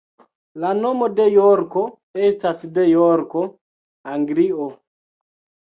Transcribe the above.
La nomo de Jorko estas de Jorko, Anglio.